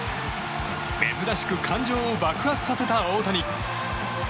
珍しく感情を爆発させた大谷。